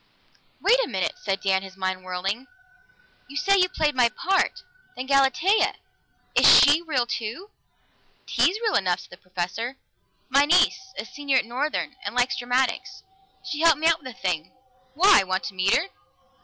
"Wait a minute!" said Dan, his mind whirling. "You say you played my part. Then Galatea is she real too?" "Tea's real enough," said the Professor. "My niece, a senior at Northern, and likes dramatics. She helped me out with the thing. Why? Want to meet her?"